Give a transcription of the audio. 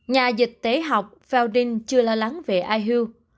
nhà dịch tế học felding chưa lo lắng về ihu